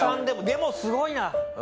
でもすごいな。